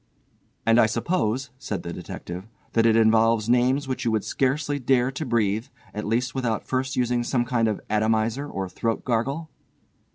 "And I suppose," said the detective, "that it involves names which you would scarcely dare to breathe, at least without first using some kind of atomiser or throat gargle."